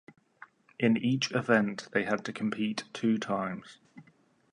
In each event they had to compete two times.